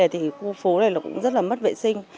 thì khu phố này cũng rất là mất vệ sinh